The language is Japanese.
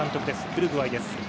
ウルグアイです。